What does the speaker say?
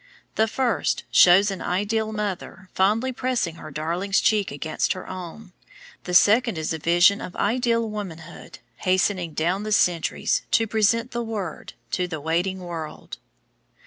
The first shows an ideal mother fondly pressing her darling's cheek against her own; the second is a vision of ideal womanhood hastening down the centuries to present the Word to the waiting world.